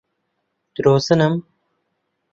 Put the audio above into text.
درۆزنم.